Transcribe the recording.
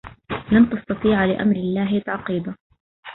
لن تستطيع لأمر الله تعقيبا